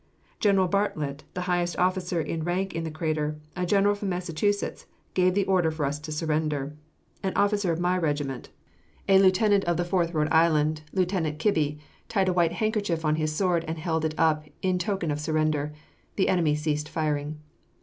General Bartlett, the highest officer in rank in the crater, a general from Massachusetts, gave the order for us to surrender. An officer of my regiment, a lieutenant of the Fourth Rhode Island, Lieutenant Kibby, tied a white handkerchief on his sword, and held it up in token of surrender. The enemy ceased firing.